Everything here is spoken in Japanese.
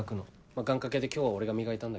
願掛けで今日は俺が磨いたんだけど。